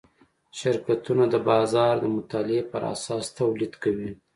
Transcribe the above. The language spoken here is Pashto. شرکتونه د بازار د مطالعې پراساس تولید کوي.